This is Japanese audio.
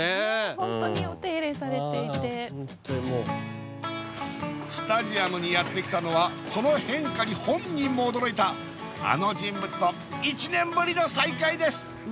ホントにお手入れされていてスタジアムにやって来たのはその変化に本人も驚いたあの人物と１年ぶりの再会です